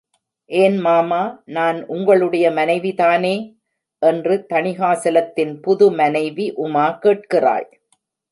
ஏன் மாமா, நான் உங்களுடைய மனைவிதானே? என்று தணிகாசலத்தின் புதுமனைவி உமா கேட்கிறாள்.